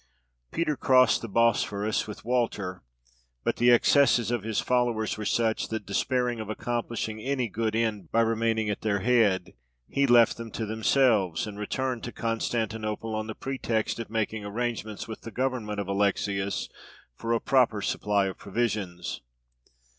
Peter crossed the Bosphorus with Walter, but the excesses of his followers were such, that, despairing of accomplishing any good end by remaining at their head, he left them to themselves, and returned to Constantinople, on the pretext of making arrangements with the government of Alexius for a proper supply of provisions.